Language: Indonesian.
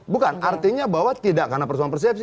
bukan artinya bahwa tidak karena persoalan persepsi